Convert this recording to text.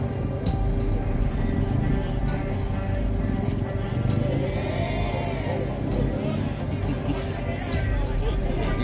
หาพิกัดเต็มแล้วพี่ข่าวอยากกล้อง